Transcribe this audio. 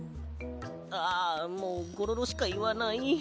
ああもうゴロロしかいわない。